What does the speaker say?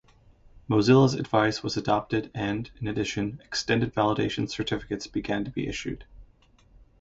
Mozilla's advice was adopted, and, in addition, Extended Validation Certificates began to be issued.